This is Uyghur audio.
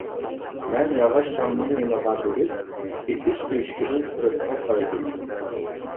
مەن ياغاچ تامنىڭ يېنىغا بېرىپ ئېتىش تۆشۈكىدىن سىرتقا قارىدىم.